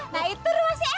nah itu rumah si ella